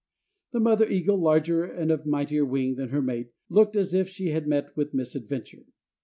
The mother eagle, larger and of mightier wing than her mate, looked as if she had met with misadventure.